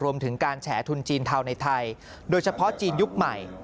รวมถึงการแฉทุนจีนเทาในไทยโดยเฉพาะจีนยุคใหม่